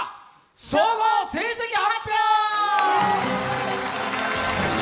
総合成績発表！